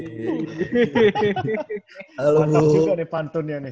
halo bu mantap juga nih pantunnya nih